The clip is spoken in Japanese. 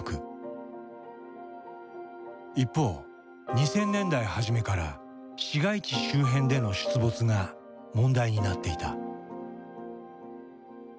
一方２０００年代初めから市街地周辺での出没が問題になっていた。